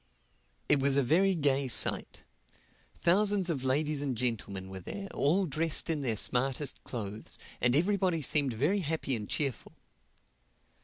It was a very gay sight. Thousands of ladies and gentlemen were there, all dressed in their smartest clothes; and everybody seemed very happy and cheerful.